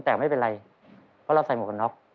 แต่ไม่เป็นไรเพราะเราใส่หมวกกันน็อก